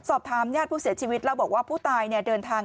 สอบถามญาติผู้เสียชีวิตแล้วบอกว่าผู้ตายเนี่ยเดินทาง